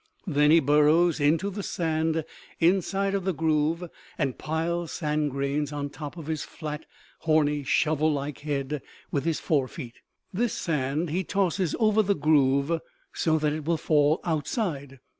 Then he burrows into the sand inside of the groove and piles sand grains on top of his flat, horny, shovel like head with his fore feet. This sand he tosses over the groove so that it will fall outside.